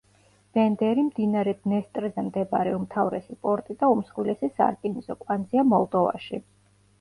ბენდერი მდინარე დნესტრზე მდებარე უმთავრესი პორტი და უმსხვილესი სარკინიგზო კვანძია მოლდოვაში.